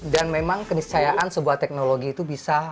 dan memang keniscayaan sebuah teknologi itu bisa